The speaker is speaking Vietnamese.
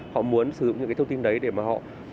họ muốn sử dụng những thông tin đấy để họ